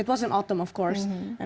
itu adalah musim musim musim